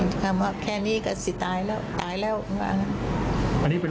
มันทำว่าแค่นี้ก็สิตายแล้วตายแล้วมันว่าอย่างนั้น